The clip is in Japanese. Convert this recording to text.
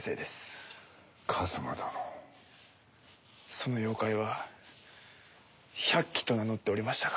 その妖怪は百鬼と名乗っておりましたが。